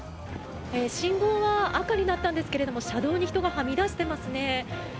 信号は赤になったんですが車道に人がはみ出していますね。